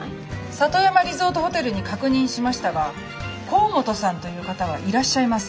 里山リゾートホテルに確認しましたが河本さんという方はいらっしゃいません。